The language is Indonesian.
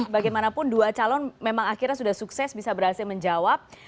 bagaimanapun dua calon memang akhirnya sudah sukses bisa berhasil menjawab